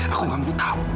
aku gak mau tahu